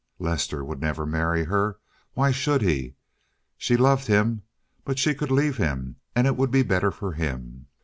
Lester would never marry her. Why should he? She loved him, but she could leave him, and it would be better for him.